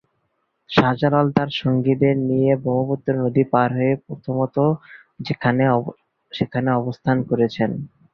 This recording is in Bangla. শাহ জালাল তার সঙ্গীদের নিয়ে ব্রহ্মপুত্র নদী পার হয়ে প্রথমত সেখানে অবস্থান করেন।